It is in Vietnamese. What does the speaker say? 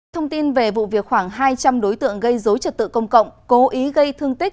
thông tin về vụ việc khoảng hai trăm linh đối tượng gây dối trật tự công cộng cố ý gây thương tích